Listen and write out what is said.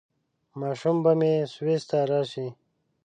ماشومان به مې سویس ته راشي؟